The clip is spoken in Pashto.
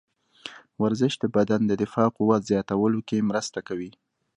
ورزش د بدن د دفاعي قوت زیاتولو کې مرسته کوي.